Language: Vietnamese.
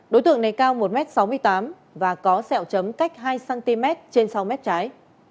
đối tượng này cao một m sáu mươi tám và có sẹo chấm cách hai cm trên sau mép trái